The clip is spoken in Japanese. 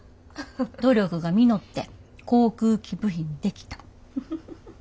努力が実って航空機部品出来た。